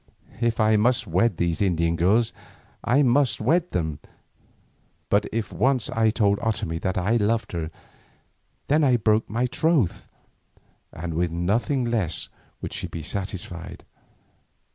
If I must wed these Indian girls, I must wed them, but if once I told Otomie that I loved her, then I broke my troth, and with nothing less would she be satisfied.